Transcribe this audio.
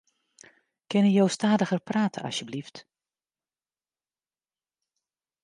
Kinne jo stadiger prate asjebleaft?